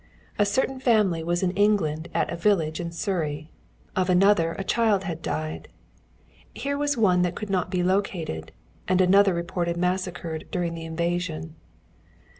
A certain family was in England at a village in Surrey. Of another a child had died. Here was one that could not be located, and another reported massacred during the invasion.